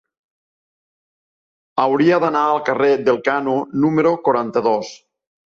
Hauria d'anar al carrer d'Elkano número quaranta-dos.